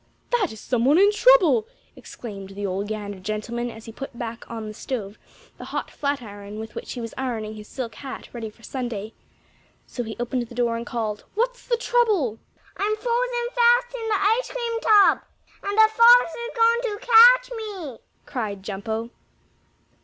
"That is some one in trouble!" exclaimed the old gander gentleman, and he put back on the stove the hot flatiron with which he was ironing his silk hat ready for Sunday. So he opened the door and called: "What's the trouble?" "I'm frozen fast in the ice cream tub, and the fox is going to catch me!" cried Jumpo.